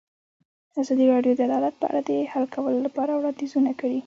ازادي راډیو د عدالت په اړه د حل کولو لپاره وړاندیزونه کړي.